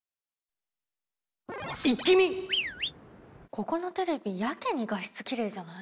ここのテレビやけに画質きれいじゃない？